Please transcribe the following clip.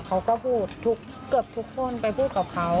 เขาก็พูดทุกเกือบทุกคนไปพูดกับเขา